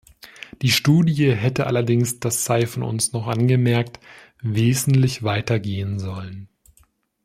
Die Studie hätte allerdings, das sei von uns noch angemerkt, wesentlich weiter gehen sollen.